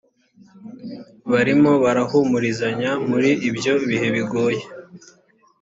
barimo barahumurizanya muri ibyo bihe bigoye